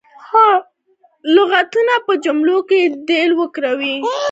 لغتونه په جملو کې دې وکاروي.